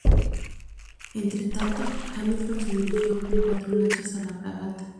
Entre tanto, Hamilton se dirigió con cuatro lanchas a la fragata.